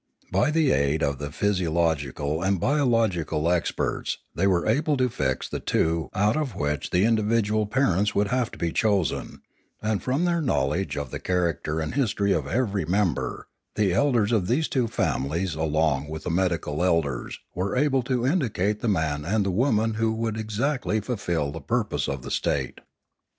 By the aid of the physio logical and biological experts they were able to fix the two out of which the individual parents would have to be chosen ; and from their knowledge of the charac ter and history of every member, the elders of these Ethics 585 two families along with the medical elders were able to indicate the man and the woman who would exactly fulfil the purpose of the state.